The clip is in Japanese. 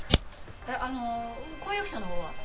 あの婚約者の方は？